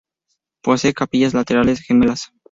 Posee capillas laterales gemelas.